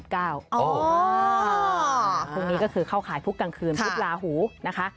พรุ่งนี้ก็คือเข้าขายพุธกลางคืนพุธลาหูนะคะ